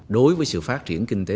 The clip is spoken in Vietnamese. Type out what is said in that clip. đối với sự phát triển kinh tế